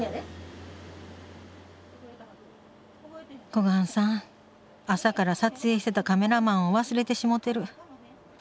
小雁さん朝から撮影してたカメラマンを忘れてしもてる。